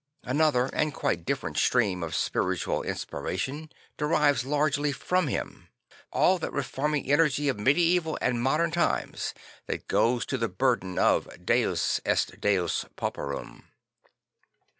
Another and quite different stream of spiritual inspiration derives largely from him; all that reforming energy of medieval and modern times that goes to the burden of Deus est Deus Pauperum.